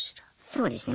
そうですね。